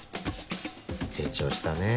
成長したねぇ。